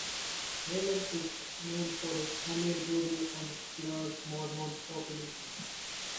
Raymond is known for its annual rodeo and its large Mormon population.